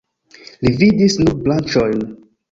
Li vidis nur branĉojn.